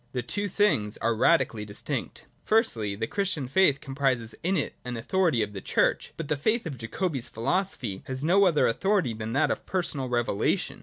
The two things are radically distinct. Firstly, the Christian faith comprises in it an authority of the Church : but the faith of Jacobi's philosophy has no other authority than that of a personal revelation.